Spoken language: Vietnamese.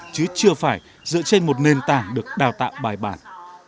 chứ chưa phải dựa trên một nền tảng được đào tạo bài bản